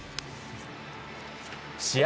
試合